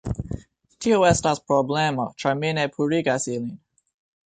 Tio estas problemo ĉar mi ne purigas ilin